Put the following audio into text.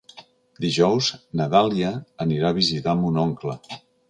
Dijous na Dàlia anirà a visitar mon oncle.